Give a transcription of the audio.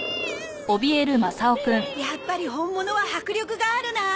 やっぱり本物は迫力があるなあ。